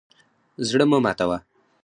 زړه مه ماتوه.